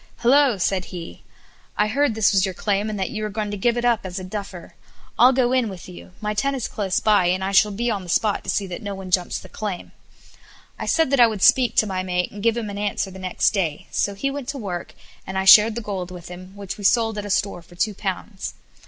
"Hilloa!" said he; "I heard this was your claim, and that you were going to give it up as a duffer. I'll go in with you; my tent is close by, and I shall be on the spot to see that no one jumps the claim." I said that I would speak to my mate and give him an answer the next day; so he went to work, and I shared the gold with him, which we sold at a store for two pounds.